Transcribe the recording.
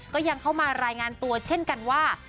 ก็ยังเข้ามารายงานตัวเช่นกันว่า